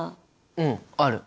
うんある！